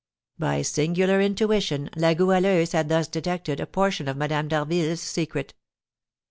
By singular intuition La Goualeuse had thus detected a portion of Madame d'Harville's secret.